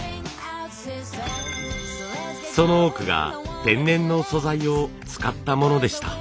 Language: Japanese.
その多くが天然の素材を使ったものでした。